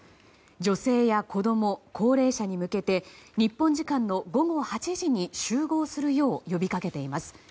女性や子供、高齢者に向けて日本時間の午後８時に集合するよう呼びかけています。